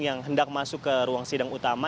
yang hendak masuk ke ruang sidang utama